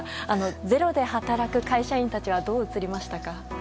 「ｚｅｒｏ」で働く会社員たちはどう映りましたか？